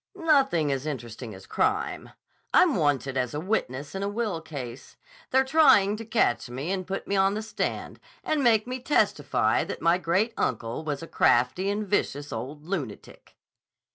"Nothing as interesting as crime. I'm wanted as a witness in a will case. They're trying to catch me and put me on the stand and make me testify that my great uncle was a crafty and vicious old lunatic."